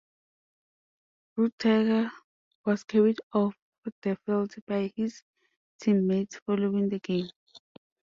Ruettiger was carried off the field by his teammates following the game.